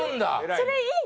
それいいの？